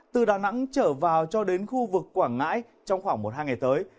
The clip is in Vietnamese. từ đà nẵng trở vào cho đến khu vực quảng ngãi trong khoảng một hai ngày tới